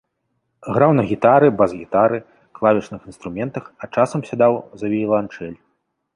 Граў на гітары, бас-гітары, клавішных інструментах, а часам сядаў за віяланчэль.